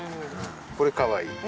これかわいい。